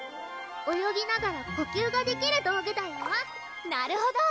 泳ぎながら呼吸ができる道具だよなるほど！